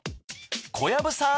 小籔さん